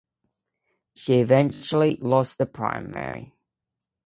She eventually lost the primary.